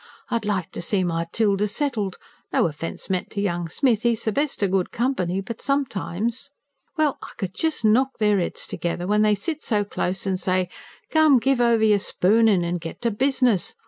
I'd like to see my Tilda settled. No offence meant to young Smith. 'E's the best o' good company. But sometimes ... well, I cud jus' knock their 'eads together when they sit so close, an' say: come, give over yer spoonin' an' get to business!